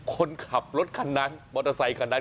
คนขับรถคันนั้นมอเตอร์ไซคันนั้น